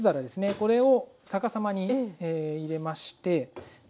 これを逆さまに入れましてで